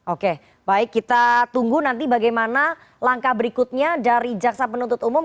oke baik kita tunggu nanti bagaimana langkah berikutnya dari jaksa penuntut umum